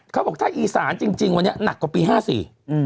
เขาบอกถ้าอีสานจริงวันนี้หนักกว่าปี๕๔